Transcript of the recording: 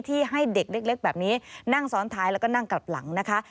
ให้เด็กเล็กแบบนี้นั่งซ้อนท้ายแล้วก็นั่งกลับหลังนะคะ